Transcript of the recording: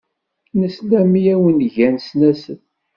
Nesla mi awen-gan snasel.